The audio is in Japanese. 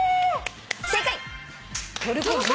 正解！